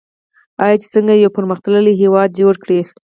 آیا چې څنګه یو پرمختللی هیواد جوړ کړي؟